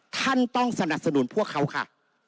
ท่านต้องสนับสนุนพวกเขาค่ะ